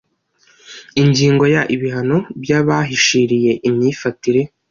ingingo ya ibihano by abahishiriye imyifatire